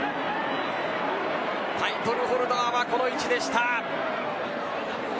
タイトルホルダーはこの位置でした。